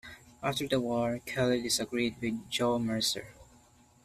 After the war Kelly disagreed with Joe Mercer.